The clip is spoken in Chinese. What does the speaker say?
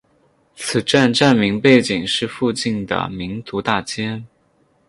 此站站名背景是附近的民族大街。